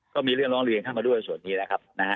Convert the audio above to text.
ก็มีเรื่องร้องเรียนเข้ามาด้วยส่วนนี้นะครับ